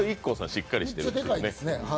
しっかりしてるんでね。